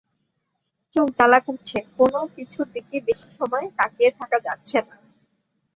চোখ জ্বালা করছে, কোনো কিছুর দিকেই বেশি সময় তাকিয়ে থাকা যাচ্ছে না।